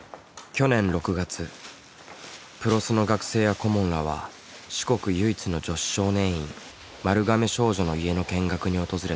去年６月ＰＲＯＳの学生や顧問らは四国唯一の女子少年院丸亀少女の家の見学に訪れた。